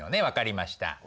分かりました。